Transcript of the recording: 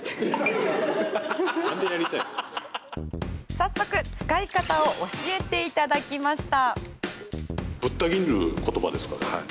早速、使い方を教えていただきました。